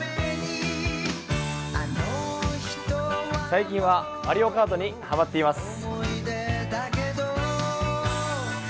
最近はマリオカートにハマっています。